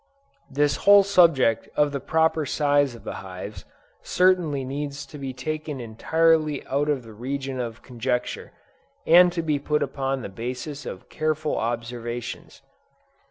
This whole subject of the proper size of hives, certainly needs to be taken entirely out of the region of conjecture, and to be put upon the basis of careful observations.